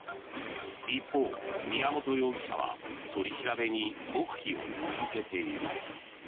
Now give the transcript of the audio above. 一方、宮本容疑者は取り調べに黙秘を続けている。